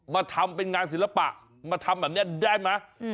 มาทำเป็นงานศิลปะมาทำแบบนี้ได้ไหม